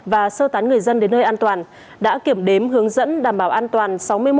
và sơ tán người dân đến nơi an toàn đã kiểm đếm hướng dẫn đảm bảo an toàn